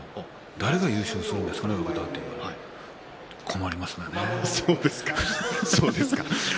誰が優勝するんですかね、親方そうですか。